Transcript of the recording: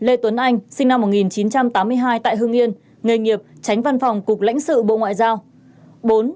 lê tuấn anh sinh năm một nghìn chín trăm tám mươi hai tại hương yên nghề nghiệp tránh văn phòng cục lãnh sự bộ ngoại giao